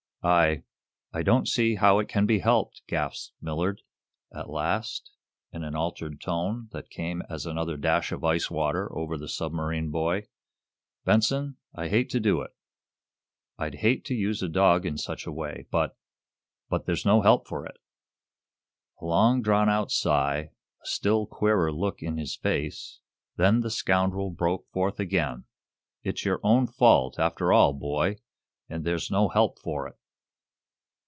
"I I don't see how it can be helped," gasped Millard, at last, in an altered tone that came as another dash of ice water over the submarine boy. "Benson, I hate to do it. I'd hate to use a dog in such a way, but but there's no help for it!" A long drawn out sigh, a still queerer look in his face, then the scoundrel broke forth again: "It's your own fault, after all, boy, and there's no help for it."